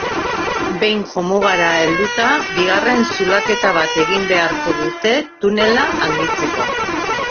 Behin jomugara helduta bigarren zulaketa bat egin beharko dute tunela handitzeko.